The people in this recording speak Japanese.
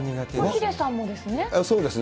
ヒデさんもですね。